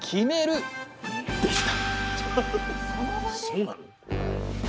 そうなの？